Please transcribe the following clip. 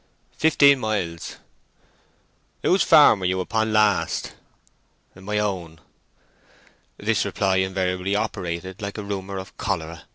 "Fifteen miles." "Who's farm were you upon last?" "My own." This reply invariably operated like a rumour of cholera.